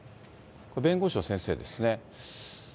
弁護士の先生ですね。